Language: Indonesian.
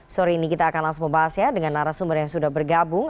sore ini kita akan langsung membahasnya dengan arah sumber yang sudah bergabung